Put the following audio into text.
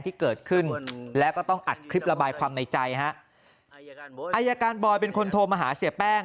ที่เกิดขึ้นแล้วก็ต้องอัดคลิประบายความในใจฮะอายการบอยเป็นคนโทรมาหาเสียแป้ง